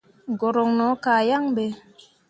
Guruŋ no kah yaŋ ɓe.